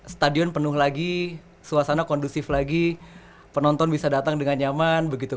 stadion penuh lagi suasana kondusif lagi penonton bisa datang dengan nyaman begitu